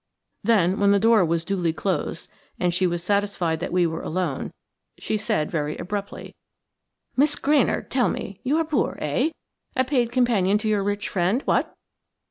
Then, when the door was duly closed, and she was satisfied that we were alone, she said very abruptly: "Miss Granard, tell me! you are poor, eh?–a paid companion to your rich friend, what?"